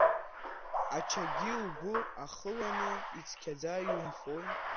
Ачагьы угәы ахыланы, ицқьаӡа иумфои.